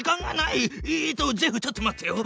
ジェフちょっと待ってよ。